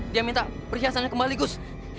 dia minta perhiasannya kembali gus